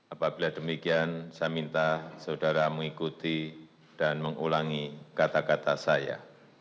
apabila demikian saya minta saudara mengikuti dan mengulangi kata kata saya